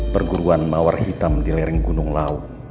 perguruan mawar hitam di lering gunung lau